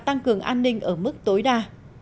tăng cường an ninh ở mức tối đa